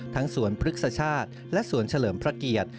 ทั้งสวนพฤกษชาติและสวนเฉลิมพระเกียรติ